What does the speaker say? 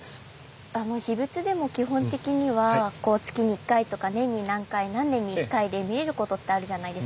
えっ⁉秘仏でも基本的には月に１回とか年に何回何年に１回で見れることってあるじゃないですか。